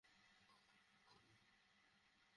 আমাদেরকেও এভাবে নিয়ে যাবে?